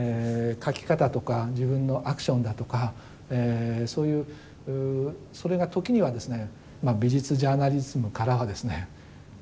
描き方とか自分のアクションだとかそういうそれが時にはですね美術ジャーナリズムからはですね